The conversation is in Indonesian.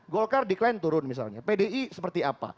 golkar declain turun misalnya pdi seperti apa